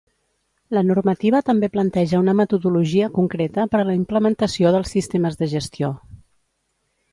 La normativa també planteja una metodologia concreta per a la implementació dels sistemes de gestió.